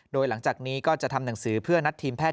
โดยหลังจากนี้ก็จะทำหนังสือเพื่อนัดทีมแพท